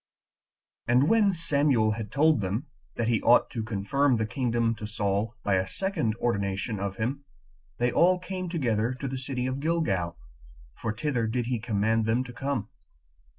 4. And when Samuel had told them that he ought to confirm the kingdom to Saul by a second ordination of him, they all came together to the city of Gilgal, for thither did he command them to come.